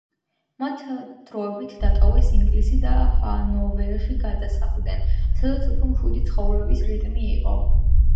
მათ დროებით დატოვეს ინგლისი და ჰანოვერში გადასახლდნენ, სადაც უფრო მშვიდი ცხოვრების რიტმი იყო.